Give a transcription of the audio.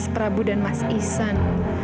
prabu dan mas ihsan